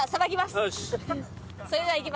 よし。